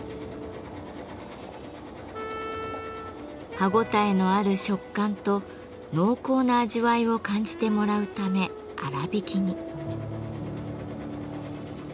歯ごたえのある食感と濃厚な味わいを感じてもらうため粗挽きに。